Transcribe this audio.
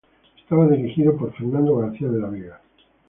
Estaba dirigido por Fernando García de la Vega.